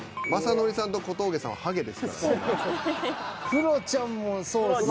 クロちゃんもそうっすね。